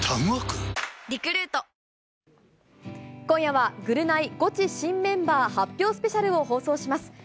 今夜は、ぐるナイ、ゴチ新メンバー発表スペシャルを放送します。